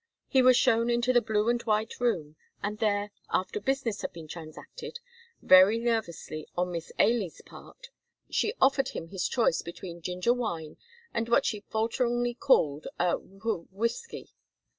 He was shown into the blue and white room, and there, after business had been transacted, very nervously on Miss Ailie's part, she offered him his choice between ginger wine and what she falteringly called wh wh whiskey.